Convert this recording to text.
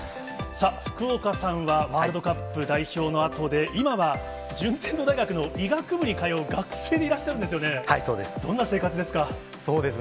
さあ、福岡さんは、ワールドカップ代表のあとで、今は順天堂大学の医学部に通う学生でいらっはい、そうです。